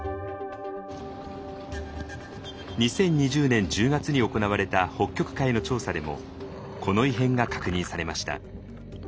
２０２０年１０月に行われた北極海の調査でもこの異変が確認されました。